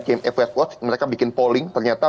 kmf edwards mereka bikin polling ternyata